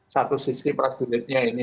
satu sisi prajuritnya ini